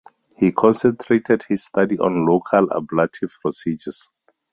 He concentrated his study on local ablative procedures.